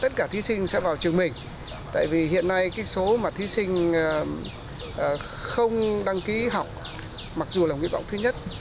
tất cả thí sinh sẽ vào trường mình tại vì hiện nay cái số mà thí sinh không đăng ký học mặc dù là nguyện vọng thứ nhất